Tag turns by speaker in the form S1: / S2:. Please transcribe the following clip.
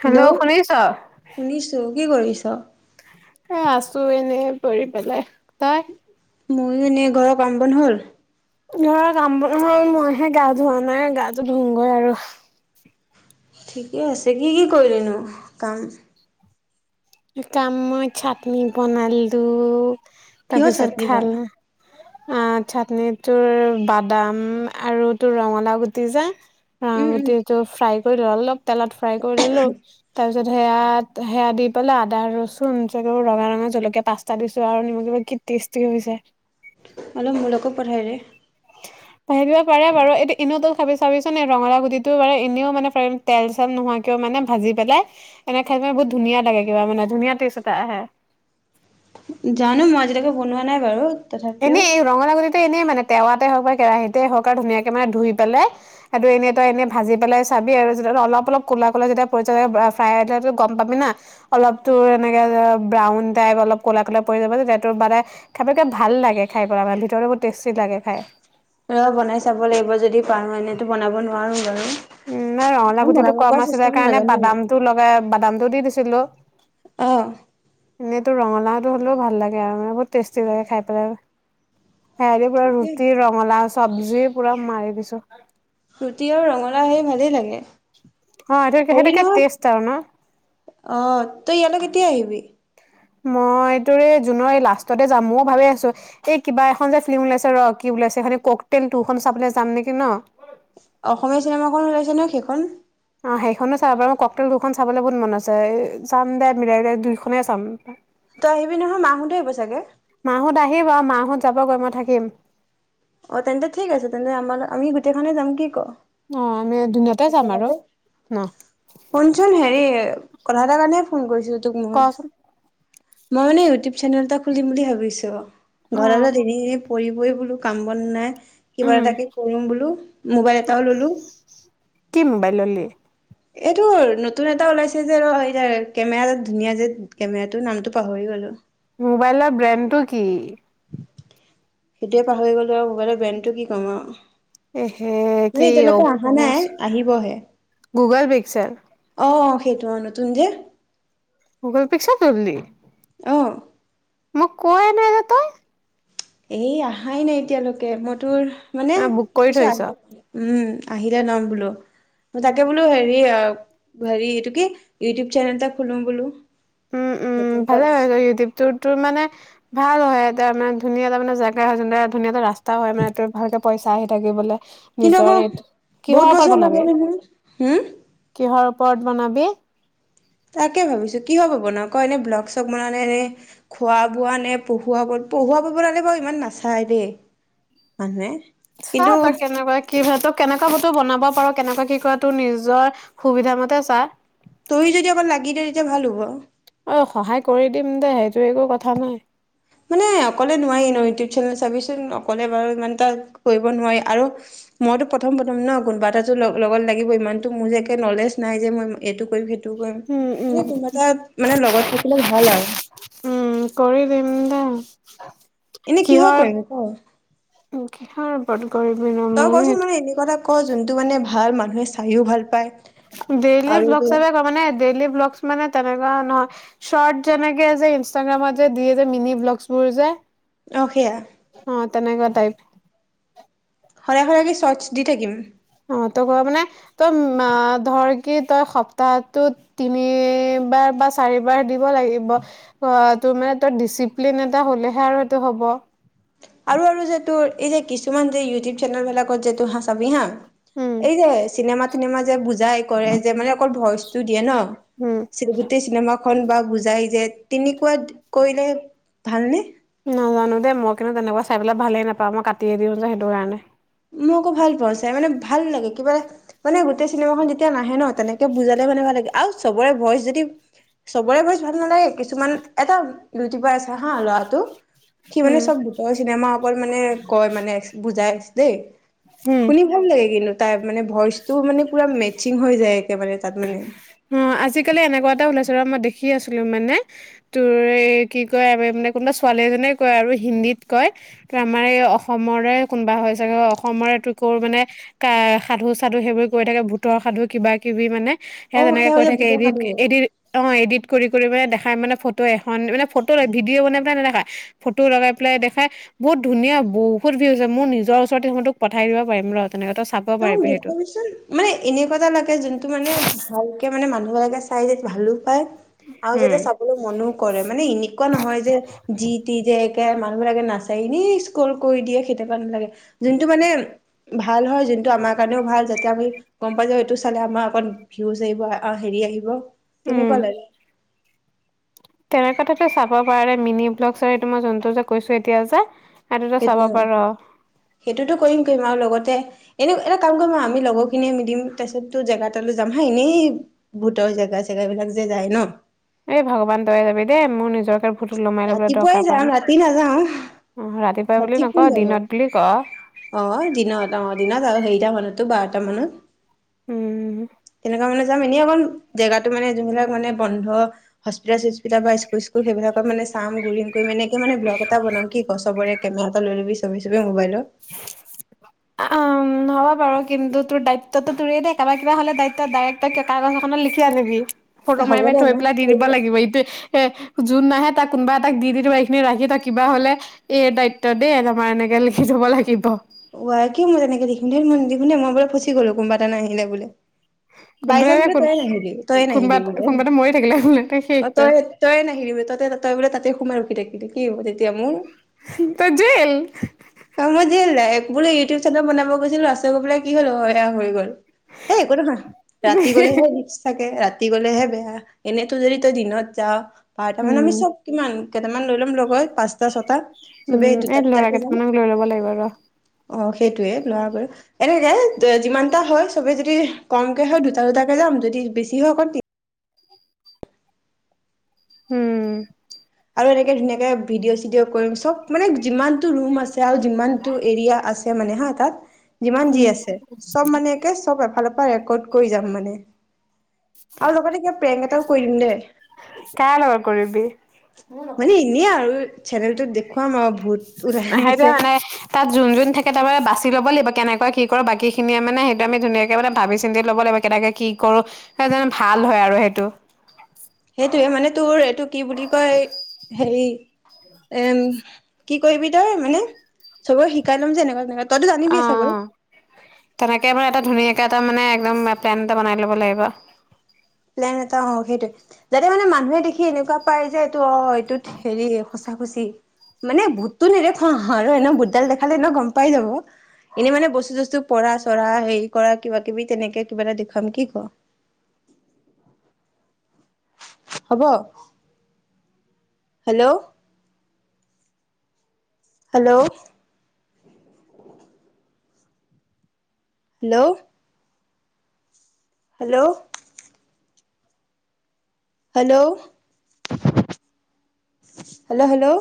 S1: Hello শুনিছ?
S2: শুনিছোঁ কি কৰিছ?
S1: এ আছো এনে পৰি পেলাই, তই?
S2: মই এনে ঘৰৰ কাম বন হ'ল?
S1: ঘৰক কাম বন হ'ল, মইহে গা ধোৱা নাই গাটো ধুওঁগৈ আৰ
S2: ঠিকে আছে, কি কি কৰিলিনো কাম?
S1: কাম মই চাটনি বনালো
S2: কিহৰ
S1: তাৰপিছত
S2: চাটনি বা?
S1: খাল আ চাটনি তোৰ বাদাম আৰু তোৰ ৰঙালাও গুটি যে অ',
S2: উম উম
S1: গুটিটো ফ্ৰাই ধৰি ল অলপ তেলত ফ্ৰাই কৰি ল'লোঁ, তাৰপিছত সেয়া-সেয়া দি লা আদা ৰচুন আৰু ৰঙা-ৰঙা জলকীয়া পাচঁতা দিছো, আৰু নিমখ কি টেষ্টি হৈছে।
S2: অলপ মোলৈকো পথাইদে।
S1: ভ দিব পাৰে বাৰু এই এনেও তল খাবি চাবিচোন ৰঙালাও গুটিটো ব এনেও মানে তেল চেল নোহোৱাকেও মানে ভাজি পেলাই এনেক খাই ম বহুত ধুনীয়া লাগে কিবা মানে ধুনীয়া টেষ্ট এটা আহে।
S2: জানো মই আজিলৈকে বনোৱা নাই বাৰু। তথাপিও
S1: এনেই এই ৰঙালাও গুটি এনেই মানে টেৱাতে হওক বা কেৰাহিতে হওঁক আৰু ধুনীয়াকে মানে ধুই পেলাই সেইটো এনেই তই এনে ভাজি পেলাই চাবি, আৰু যেতিয়া অলপ-অলপ ক'লা-ক'লা যেতিয়া পৰি যাব ফ্ৰাই গম পাবি না অলপ তো এনেকে ব্ৰাউন টাইপ অলপ ক'লা-ক'লা পৰি যাব তেতিয়া [unintelligible] ভাল লাগে খাই, [unintelligible] ভিতৰতো বহুত টেষ্টি লাগে খায়।
S2: ৰ বনাই চাব লাগিব যদি পাৰো, এনেইটো বনাব নোৱাৰো বাৰু
S1: উম, নাই ৰঙালাউ
S2: এখন
S1: গুটিটো
S2: বনাব পৰা
S1: কম আছিলে
S2: চিষ্টেম
S1: কাৰণে
S2: নাজানো মই।
S1: বাদাম টো লগাই বাদাম টো দি দিছো ছিলো।
S2: অহ
S1: এনেই তোৰ ৰঙালাওটো হ'লেও ভাল লাগে, আৰু মানে বহুত টেষ্টি লাগে খাই পেলাই। সেয়াদি পৰা
S2: ঠিকে
S1: ৰুটি
S2: আছে।
S1: ৰঙালাও চব্জি পোৰা মাৰি দিছো।
S2: ৰুটি আৰু ৰঙালাও হেই ভালেই লাগে।
S1: অ' এইটো
S2: হেৰি
S1: সেইটোকে
S2: নহয়
S1: টেষ্ট আৰু ন?
S2: অহ, তই ইয়ালৈ কেতিয়া আহিবি?
S1: মই এইটোৰে জুনৰ এই লাষ্টতে যাম, ময়ও ভাবি আছো এই কিবা এখন যে ফিল্ম ওলাইছে ৰ কি ওলাইছে ককটল খন চাবলৈ যাম নেকি ন।
S2: অসমীয়া চিনেমাখন ওলাইছে ন, সেইখন?
S1: অ' সেইখনো চাব বাৰু মই ককটেল খন চাবলে বহুত মন আছে, এ চাম দে মিলাই-মিলাই দুখনে চাম।
S2: তই আহিবি নহয়, মা সোতে আহিব চাগে।
S1: মাহত আহিব, আৰু মাহত যাব গৈ মই থাকিম।
S2: অ' তেন্তে ঠিক আছে তেন্তে আমাৰ আমি গোটেইখনে যাম কি ক।
S1: অ' আমি দুদিনতে যাম আৰু
S2: একেলগে,
S1: ন?
S2: শুনচোন হেৰি কথা এাৰ কাৰণে ফোন কৰিছিলো তোক মই।
S1: কচোন
S2: মই মানে ইউটিউব চেনেল এটা খুলিম বুলি ভাবিছো।
S1: অ
S2: ঘৰলৈ দেৰি কৰিবই বোলো। কাম বন নাই। কিবা
S1: উম
S2: এটাকে কৰিম বোলো, মোবাইল এটাও ললো।
S1: কি মোবাইল ললি?
S2: এইটো নতুন এটা ওলাইছে যে, ৰ-এয়া কেমেৰাটো ধুনীয়া যে, কেমেৰাটো নামটো পাহৰি গ'লো।
S1: মোবাইলৰ ব্ৰেণ্ডটো কি?
S2: সেইটোৱে পাহৰি গ'লো ব আৰু মোবাইলৰ ব্ৰেণ্ডটো কি ক'ম আৰু
S1: এ হে
S2: মানে
S1: কি
S2: এতিয়ালৈকে অহা নাই
S1: অপুচ,
S2: আহিবহে।
S1: গুগল পিকচেল।
S2: এইটো অ', নতুন যে
S1: গুগল পিকচল ললি?
S2: অ।
S1: মোক কোৱাই নাই তহ'তে।
S2: এই আহাই নাই এতিয়ালৈকে, মই তোৰ মানে,
S1: বুক কৰি
S2: কৈছোঁ
S1: থৈছ
S2: আহিব বুলি, উম। আহিলে ল'ম বোলো, মই তাকে বোলো হেৰি অ' হেৰি এইটো কি, ইউটিউব চেনেল এটা খুলো বোলো।
S1: উম উম,
S2: নতুনকৈ
S1: ভালে হয় ইউটিউবটো তোৰ মানে ভাল হয় ইয়াতে মানে ধুনীয়া এটা মানে জেগা, যোনটো ধুনীয়া এটা ৰাস্তা [unintelligible] পইচা আহি থাকিবলৈ।
S2: কিন্তু আকৌ বহুত বছৰ
S1: বনাবি
S2: লাগে নহয়, হম
S1: পৰ্ বনাবি?
S2: তাকে ভাবিছো কিহ'ৰ ওপৰত বনাওঁ ক? এনে ব্লগ চগ বনাওঁ নে, এনেই খোৱা বোৱা নে, পঢ়োৱা ওপৰত, পঢ়ুৱা ওপৰত বনালে বাৰু ইমান নাচায় দে, মানুহে।
S1: চা
S2: কিন্তু
S1: তই কেনেকুৱা কি হয়। ত [unintelligible] বনাব পাৰ, কেনেকৈ কি কৰ তোৰ নিজৰ সুবিধা মতে চা।
S2: তয়ো যদি অকন লাগি দিয়, তেতিয়া ভাল হ'ব।
S1: অ', সহায় কৰি দিম দে, সেইটো একো কথা নাই।
S2: মানে অকলে নোৱাৰি ন' ইউটিউব চেনেল চাবিচোন অকলে বাৰু ইমানটা কৰিব নোৱাৰি আৰু মইতো প্ৰথম, প্ৰথম ন' কোনোবা এটাটো ল-লগত লাগিব ইমানটো মোৰ যে, একে নলেজ নাই যে, মই এইটো কৰিম সেইটো কৰিম,
S1: উম উম
S2: মানে কোনোবা এটা মানে লগত থাকিলে ভাল আৰু।
S1: উম কৰি [unintelligible]
S2: এনেই কিহৰ কৰিম ক?
S1: কিহৰ
S2: তই কচোন মানে এনেকুৱা এটা
S1: [unintelligible]
S2: ক, যোনটো মানে ভাল, মানুহে চায়ো ভাল পায়।
S1: ডেইলি
S2: আৰু
S1: ব্লগ
S2: তোৰ
S1: [unintelligible] ডেইলি ব্লকচ মানে তেনেকুৱা নহয়, চৰ্ট যেনেকে যে, ইনাগ্ৰামত যে, দিয়ে যে, মিনি ব্লগচবোৰ যে
S2: অ', সেয়া
S1: অ তেনেকুৱা টাইপ।
S2: সদায়, সদায় কি চৰ্টছ দি থাকিম?
S1: অ', ত' ক, মানে, তই আ, ধৰ কি তই সপ্তাহটোত তিনিবাৰ বা চাৰিবাৰ দিব লাগিব, ব, তোৰ মানে তই ডিচিপ্লিন এটা হ'লেহে আৰু সেইটো হ'ব।
S2: আৰু, আৰু যে, তোৰ এই যে, কিছুমান যে, ইউটিউব চেনেল বিলাকত এইটো হা, চাবি হা
S1: উম
S2: এই যে, চিনেমাত চিনেমা যে বুজ জনায়, কৰে যে মানে অকল ভইচ টো দিয়ে ন
S1: উম
S2: চিনে গোটেই চিনেমা খন বা বুজায় যে, তেনেকুৱা কৰিলে ভালনে?
S1: নাজানো দেই, মই কিন্তু তেনেকুৱা চাই পেলাই ভালেই নাপাওঁ, মই কাটিয়ে দিওঁ যে সেইটো কাৰণে
S2: মই আকৌ ভাল পাওঁ চাই, মানে ভাল লাগে, কিবা মানে গোটেই চিনেমা খন যেতিয়া নাহে ন তেনেকে বুজালে মানে ভাল লাগে। আও চবৰে ভইচ যদি, চবৰে ভইচ ভাল নালাগে, কিছুমান এটা ইউটিউবাৰ আছে হাঁ, ল'ৰাটো সি মানে
S1: উম,
S2: চব ভূতৰ চিনেমাৰ‌ ওপৰত মানে কয় মানে, বুজাই দেই।
S1: উম।
S2: শুনি ভাল লাগে কিন্তু তাৰ মানে ভইচটো মানে পুৰা মে চিঙ হৈ যায় একেবাৰে তাত মানে
S1: উম, আজিকালি এনেকুৱা এটা ওলাইছে ৰ, মই দেখি আছিলোঁ মানে, তোৰ এই কি কয় মানে কোনোবা ছোৱালী এজনীয়ে কয় আৰু হিন্দীত কয়, ত আমাৰ এই অসমৰে কোনোবা হয় চাগে। অসমৰে তোৰ ক'ৰ মানে কাৰ সাধু চাধু সেইবোৰ কৈ থাকে, ভূতৰ সাধু কিবা কিবি মানে সেয়া
S2: অ
S1: তেনেকে কৈ
S2: সেউজীয়া
S1: থাকে,
S2: বুটৰ
S1: এডিট,
S2: সাধু
S1: এডিট, অ' এডিট কৰি কৰি মানে দে খাই মানে ফটো এখন মানে ফটো ভিডিঅ' বনাই পেলাই নেদখায়, ফটো লগাই পেলাই দেখাই, বহুত ধুনীয়া বহুত ভিউজ হৈ মোৰ নিজৰ ওচৰত আছে সিহঁতোক পঠাই দিব পাৰিম ৰ তেনেকে চাব
S2: তই মোক
S1: পাৰিবি সেইটো
S2: দেখুৱাবিচোন, মানে এনেকুৱা এটা লাগে যোনটো মানে ভাল তাকে মানে মানুহবিলাকে চাই যে ভালো পায় আৰু যা'তে
S1: উম
S2: চাবলৈ মনো কৰে মানে এনেকুৱা নহয় যে যি তি যে মানে মানুহ বিলাকে নাচাইয়ে এনেই স্ক্ৰল কৰি দিয়ে, সেইতিয়াবা নালাগে। যোনটো মানে ভাল হয় যোন টো আমাৰ কাৰণেওঁ ভাল যাতে আমি গ'ম পাই যাওঁ এইটো চালে আমাৰ অকণ ভিউজ আহিব হেৰি আহিব। তেনেকুৱা লগে।
S1: তেনেকুৱাতে চাব পাৰে, মিনি ব্লকৰ মই জোনটো যে কৈছো এতিয়া যে সেইটোতো চাব
S2: সেইটো ন,
S1: পাৰ
S2: সেইটোতো কৰিম কৰিম আৰু লগতে এনেই এটা কাম কৰিম আৰু আমি লগৰ খিনিয়ে মিলিম, তাৰ পিছতো জেগা এ তালৈ যাম হা এনেই ভোতৰ জেগা চেগা এই বিলাক যে যায় ন।
S1: এই ভগৱান তই যাবি দেই, মোৰ নিজক
S2: ৰাতিপুৱাই যাম ৰাতি নাযাওঁ,
S1: অ ৰাতিপুৱা বুলি
S2: ৰাতি কোন
S1: নকওঁ
S2: যাব,
S1: দিনত বুলি ক
S2: অ' দিনত অ' দিনত আৰু হেৰিতা মানত তোৰ বাৰতা মানত।
S1: উম
S2: তেনেকুৱা মানে যাম, এনেই অকণ জেগাতো মানে যোনবিলাক মানে বন্ধ, হস্পিতাল-চস্পিটা বা স্কুল-স্কুল সেইবিলাক। মানে চাম গুৰিম এনেকে মানে ব্লগ এটা‌ বনাম, কি কওঁ? চবৰে কেমেৰা এটা লৈ লবি [unintelligible] মবাইল
S1: উম হ'ব বাৰু কিন্তু তোৰ দায়িত্বটো তোৰেই দেই, কাবাৰ কিবা হ'লে, দায়িত্ব ডাইৰেক্ট কাগজ এখনত লিখি আনিবি ফটো
S2: হ'ব
S1: মাৰি, মাৰি
S2: দে
S1: থৈ
S2: মই
S1: পেলাই দি দিব
S2: কৰি
S1: লাগিব ইটো এ যোন নাহে তাক কোনোবা এটাক দি দিব লাগে এইখিনি ৰাখি ত কিবা হলে এই দায়িত্ব দেই তোমাৰ এনেকে লখ [unintelligible]
S2: ৱাই কিয় মই তেনেকে দেখোন দে [unintelligible] মই বোলে ফুচি গলো কোনোবা এটা নাহিলে বোলি বাই
S1: কোনোবা
S2: চান্স
S1: এটা
S2: বোলে
S1: কোন
S2: তয়ে নাহিলি। তইয়ে
S1: কোনোবা
S2: নাহিলি বোলে।
S1: কোনোবা এটা মৰি থাকিলে বোলে শেষ
S2: অ' তই তইয়ে নাহিলি বো তই তই বোলে তাতে সোমাই ৰখি থাকি কিন্তু কি হ'ব তেতিয়া মোৰ?
S1: তই জেইল।
S2: বোলো ইউটিউব চেনেল বনাব গৈছিলো আছ গৈ পেলাই কি হ'ল এয়া হৈ গ'ল। এই একো নহয় ৰাতি গলেহে ৰিস্ক থাকে ৰাতি। ৰাতি গলেহে বেয়া। এনেতো যদি তই দিনত যাঅ বাৰটা মানে আমি
S1: উম
S2: চব কিমান। কেইটামান লৈ ল'ম লগত পাঁচ।
S1: উম। এই ল'ৰা কেইটামানক লৈ ল'ব লাগিব ৰ।
S2: অ' সেইটোৱেই লৰা বাৰু এনেকে যিমান এটা হয় চবে যদি কমকে হয় দুটা দুটাকে যাম যদি বেছি হয় অকণ তিন
S1: উম।
S2: আৰু এনেকে ধুনীয়াকে ভিডিঅ' চিডি'অ কৰিম চব মানে যিমানটো ৰুম আছে। তাৰ যিমানটো এৰিয়া আছে। তে মানে হা তাতা। যিমান
S1: উম
S2: যি আছে চব মানে এতে চব এফালপা তা ৰেকৰ্ড কৰি যাম মানে। আৰু লগতে কিবা প্ৰেঙ এটাও কৰি দিম দে
S1: কাৰ লগত কৰিবি
S2: মানে এনেই আৰু। এ চেনেলটোত দেখ
S1: সাইটোৱে মানে তাত যোন যোন থাকে তা পা বাচ তাইক ল'ব লাগিব কেনেকুৱা কি কৰে বাকী খিনিয়ে মানে সেকাণে ধুনীয়াকে মানে ভাবি চিন্তি ল'ব লাগিব, কেনেকে কি কৰো ভাল হয় আৰু সেইটো।
S2: হেই হেনে তো এইটো। কি বুলি কয়, হেৰি। এম কি কৰিবি তই মানে? চবে শিকাই ল'ম যে এনকা তেনকা।
S1: অ', অ', তেনেকে এবাৰ এটা ধুনীয়াকে। টা মানে একদম প্লেন এটা বনাই ল'ব লাগিব।
S2: প্লেন এটা অ সেইটোৱে, যাতে মানে মানুহে দেখি এনেকুৱা পাই যে এইটো অ এইটোত হেৰি সঁচা সচি মানে ভূতটো নেদেখুৱা আৰু এনে ভূতডাল দেখালে এনে গম পাই যাব। এনেই মানে বস্তু চস্তু পৰা চৰা হেৰি কৰা কিবা কিবি তেনেকে কিবা এটা দেখুৱাম কি কঅ হব। Hello hello hello hello hello hello hello.